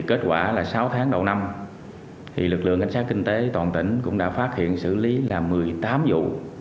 kết quả là sáu tháng đầu năm lực lượng cảnh sát kinh tế toàn tỉnh cũng đã phát hiện xử lý là một mươi tám vụ